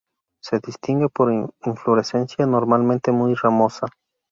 Se distingue por su inflorescencia, normalmente muy ramosa.